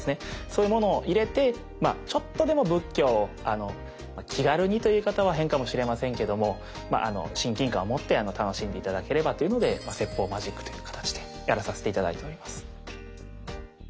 そういうものを入れてまあちょっとでも仏教を気軽にという言い方は変かもしれませんけども親近感を持って楽しんで頂ければというので説法マジックという形でやらさせて頂いております。